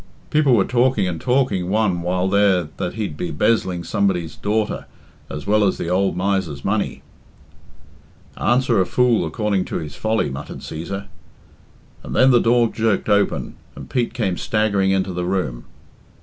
"People were talking and talking one while there that he'd be 'bezzling somebody's daughter, as well as the ould miser's money." "Answer a fool according to his folly," muttered Cæsar; and then the door jerked open, and Pete came staggering into the room.